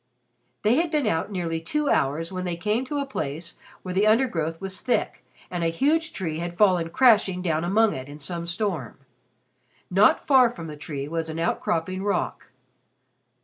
They had been out nearly two hours when they came to a place where the undergrowth was thick and a huge tree had fallen crashing down among it in some storm. Not far from the tree was an outcropping rock.